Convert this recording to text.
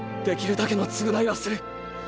できるだけの償いはする。